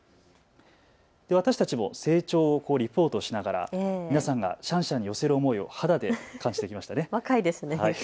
私たちも成長をリポートしながら皆さんがシャンシャンに寄せる思いを肌で感じてきましたね。